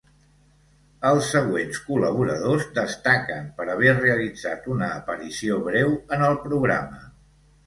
Els següents col·laboradors destaquen per haver realitzat una aparició breu en el programa.